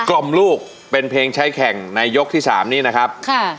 กลมลูกเป็นเพลงใช้แข่งในยกที่๓นี้นะครับ